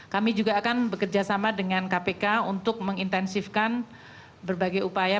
kami juga akan bekerjasama dengan kpk untuk mengintensifkan berbagai upaya